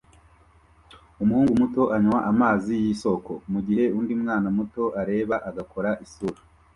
Umuhungu muto anywa amazi yisoko mugihe undi mwana muto areba agakora isura